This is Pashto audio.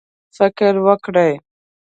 فکر وکړئ